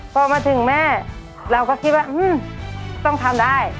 พอมาถึงแม่เราก็คิดว่าต้องทำได้